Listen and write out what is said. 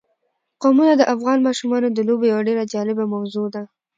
قومونه د افغان ماشومانو د لوبو یوه ډېره جالبه موضوع ده.